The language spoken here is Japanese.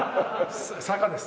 坂です。